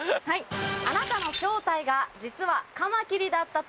「あなたの正体が実は」。